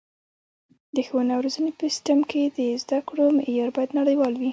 د ښوونې او روزنې په سیستم کې د زده کړو معیار باید نړیوال وي.